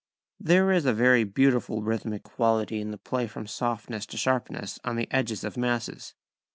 ] There is a very beautiful rhythmic quality in the play from softness to sharpness on the edges of masses.